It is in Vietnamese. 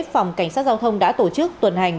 phòng cảnh sát giao thông đã tổ chức tuần hành